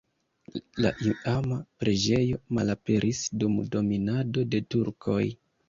La iama preĝejo malaperis dum dominado de turkoj.